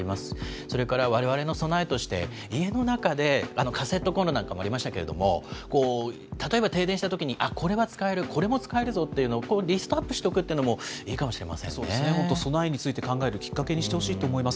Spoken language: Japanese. それからわれわれの備えとして、家の中でカセットコンロなんかもありましたけれども、例えば停電したときに、あっ、これは使える、これも使えるぞっていうのをリストアップしておくというのもいいそうですね、本当、備えについて考えるきっかけにしてほしいと思います。